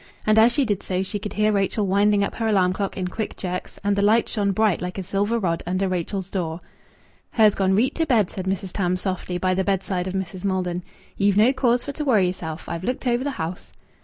And as she did so she could hear Rachel winding up her alarm clock in quick jerks, and the light shone bright like a silver rod under Rachel's door. "Her's gone reet to bed," said Mrs. Tams softly, by the bedside of Mrs. Maldon. "Ye've no cause for to worrit yerself. I've looked over th' house."